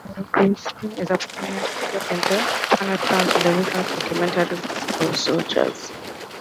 Colonel Grierson is a prominent figure in Turner Network Television's documentary, "Buffalo Soldiers".